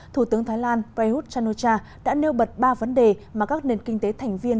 thủ tướng thái lan prayuth chan o cha đã nêu bật ba vấn đề mà các nền kinh tế thành viên